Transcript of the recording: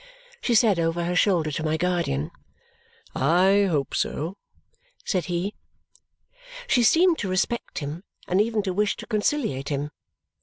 she said over her shoulder to my guardian. "I hope so," said he. She seemed to respect him and even to wish to conciliate him.